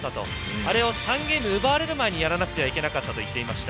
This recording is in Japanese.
あれを３ゲーム奪われる前にやらなければいけなかったと言っていました。